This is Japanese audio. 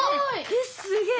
えっすげえ！